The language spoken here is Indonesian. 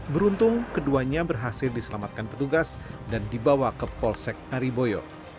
beruntung keduanya berhasil diselamatkan petugas dan dibawa ke polsek ariboyo